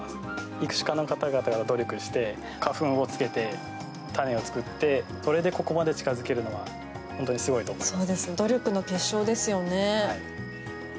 育種家の方々が努力をして花粉をつけて種を作ってそれでここまで近付けるのは本当にすごいと思います。